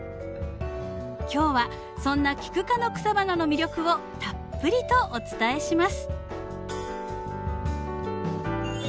今日はそんなキク科の草花の魅力をたっぷりとお伝えします。